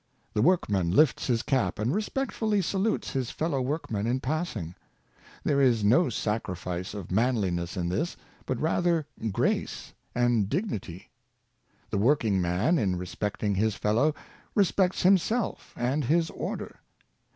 The workman lifts his cap and respectfully salutes his fel low workman in passing. There is no sacrifice of manliness in this, but rather grace and dignity. The 26 Fre?icJi Manners, working man, in respecting his fellow, respects himself and his order.